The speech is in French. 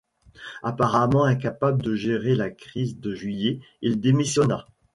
Apparemment incapable de gérer la crise de juillet, il démissionna.